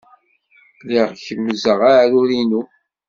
Lliɣ kemmzeɣ aɛrur-inu.